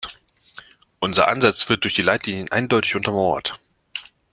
Unser Ansatz wird durch die Leitlinien eindeutig untermauert.